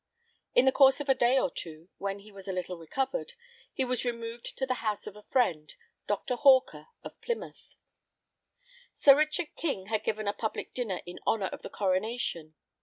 In the course of a day or two, when he was a little recovered, he was removed to the house of a friend, Dr. Hawker of Plymouth. Sir Richard King had given a public dinner in honor of the coronation.